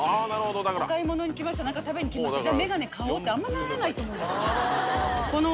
お買い物に来ました何か食べに来ましたじゃあメガネ買おうってあんまならないと思うんだよね。